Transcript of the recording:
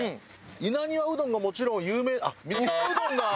稲庭うどんがもちろん有名あっ水沢うどんが。